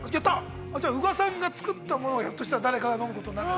宇賀さんがつくったもの、ひょっとした、誰かが飲むことになると？